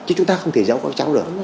chứ chúng ta không thể giấu các cháu được